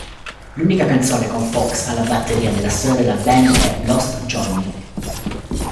L'unica canzone con Fox alla batteria nella storia della band è "Lost Johnny".